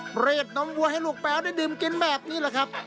เปรียบน้องวัวให้ลูกแมวได้ดื่มกินแบบนี้แหละครับ